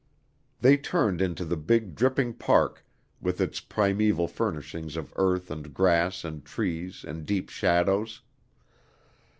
They turned into the big, dripping park with its primeval furnishings of earth and grass and trees and deep shadows.